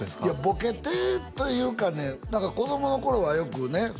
ボケてというかね子供の頃はよくね